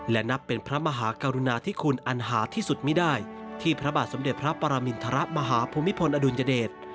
และนับเป็นพระมหากรุณาธิคุณอันหาที่สุดไม่ได้ที่พระบาทสมเด็จพระปรมินทรมาฮภูมิพลอดุลยเดช